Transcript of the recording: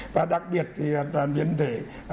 và đặc biệt thì là biến thể